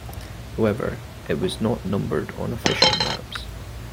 However, it was not numbered on official maps.